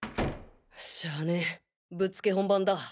しゃあねぇぶっつけ本番だ！